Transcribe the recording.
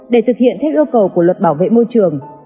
để thực hiện theo yêu cầu của luật bảo vệ môi trường